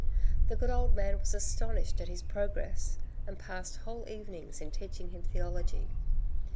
The good old man was astonished at his progress, and passed whole evenings in teaching him theology.